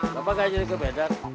bapak gak jadi kebedar